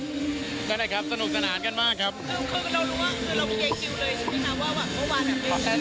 คือคือเรารู้ว่าคือเราไม่เคยคิวเลยชิคกี้พายว่าเมื่อวานแบบนี้